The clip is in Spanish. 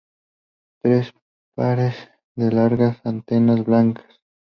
Tres pares de largas antenas blancas.